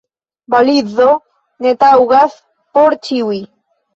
Valizo ne taŭgas por ĉiuj.